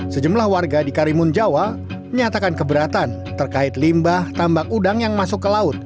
sejumlah warga di karimun jawa menyatakan keberatan terkait limbah tambak udang yang masuk ke laut